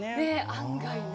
案外ね。